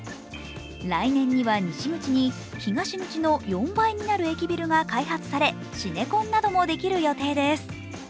来年には西口に、東口の４倍になるビルが開発され、シネコンなどもできる予定です。